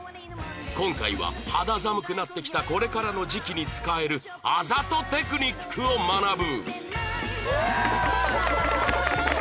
今回は肌寒くなってきたこれからの時期に使えるあざとテクニックを学ぶ